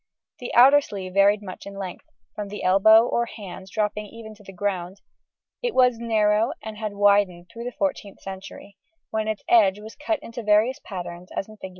The outer sleeve varied much in length, from the elbow or hand dropping even to the ground; it was narrow and widened through the 14th century, when its edge was cut into various patterns as in Fig.